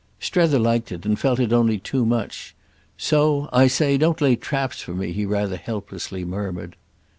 Strether liked it and felt it only too much; so "I say, don't lay traps for me!" he rather helplessly murmured.